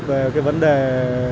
về cái vấn đề